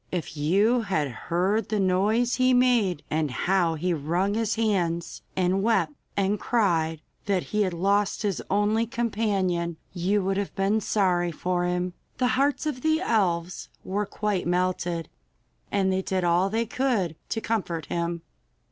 If you had heard the noise he made, and how he wrung his hands and wept and cried that he had lost his only companion, you would have been sorry for him. The hearts of the elves were quite melted, and they did all they could to comfort him.